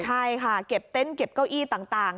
ใช่ค่ะเก็บเต็นต์เก็บเก้าอี้ต่าง